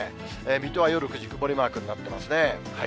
水戸は夜９時、曇りマークになってますね。